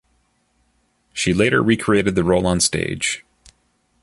She later recreated the role on the stage.